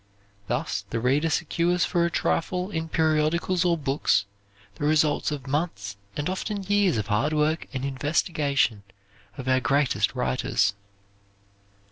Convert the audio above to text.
Thus the reader secures for a trifle in periodicals or books the results of months and often years of hard work and investigation of our greatest writers.